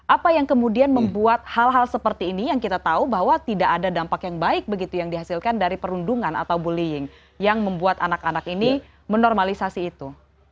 apa yang kemudian membuat hal hal seperti ini yang kita tahu bahwa tidak ada dampak yang baik begitu yang dihasilkan dari perundungan atau bullying yang membuat anak anak ini menormalisasi itu